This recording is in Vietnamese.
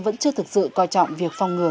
vẫn chưa thực sự coi trọng việc phòng ngừa